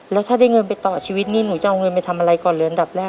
แล้วถ้าได้เงินไปต่อชีวิตนี่หนูจะเอาเงินไปทำอะไรก่อนเลยอันดับแรก